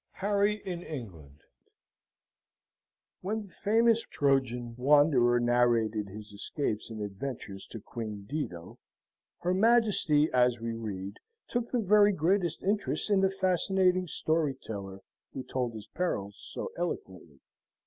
Harry in England When the famous Trojan wanderer narrated his escapes and adventures to Queen Dido, her Majesty, as we read, took the very greatest interest in the fascinating story teller who told his perils so eloquently.